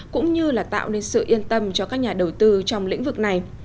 cũng như là tạo nên sự yên tâm cho các nhà đầu tư trong lĩnh vực này